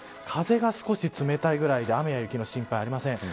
風が少し冷たいぐらいで雨や雪の心配はありません。